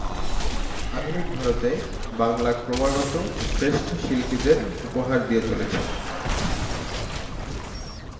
আধুনিক ভারতে, বাংলা ক্রমাগত শ্রেষ্ঠ শিল্পীদের উপহার দিয়ে চলেছে।